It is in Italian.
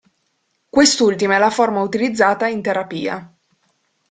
Quest’ultima è la forma utilizzata in terapia.